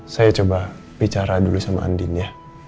saya coba bicara dulu sama andin ya